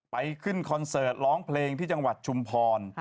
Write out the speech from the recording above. ขึ้นคอนเสิร์ตร้องเพลงที่จังหวัดชุมพร